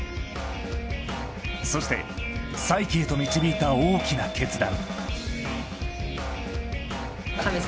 そして再起へと導いた大きな決断